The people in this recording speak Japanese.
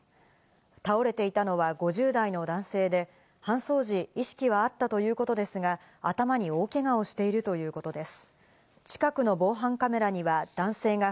倒れていたのは５０代の男性で、搬送時、意識はあったということですが、頭に大けがをしているということです。